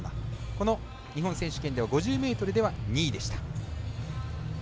この日本選手権では５０ｍでは２位でした。